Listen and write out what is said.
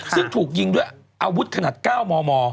ซึ่งถูกยิงด้วยอาวุธขนาด๙มม